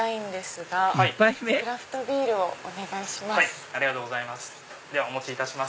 クラフトビールをお願いします。